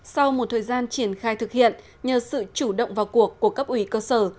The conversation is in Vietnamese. sau một thời gian triển khai thực hiện nhờ sự chủ động vào cuộc của cấp ủy cơ sở